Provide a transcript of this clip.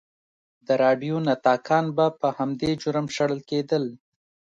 د راډیو نطاقان به په همدې جرم شړل کېدل.